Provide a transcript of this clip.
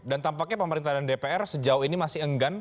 dan tampaknya pemerintahan dpr sejauh ini masih enggan